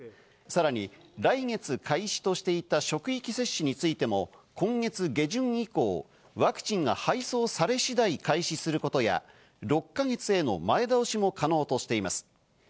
さらに来月開始としていた職域接種についても今月下旬以降、ワクチンが配送され次第開始することや、６か月への前倒しも可能としています。